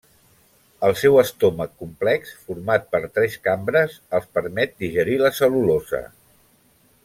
El seu estómac complex, format per tres cambres, els permet digerir la cel·lulosa.